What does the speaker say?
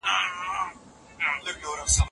مکناتن د جګړې په پایلو فکر کاوه.